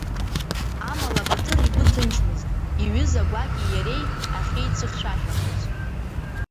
Амала Баҭыр игәы ҭынчмызт, иҩыза гәакьеи иареи ахьеицәыхьшәашәахоз.